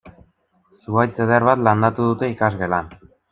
Zuhaitz eder bat landatu dute ikasgelan.